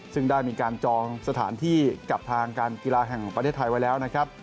ซึ่งได้มีการจองสถานที่กับทางการกีฬาแห่งประเทศไทยไว้แล้วนะครับ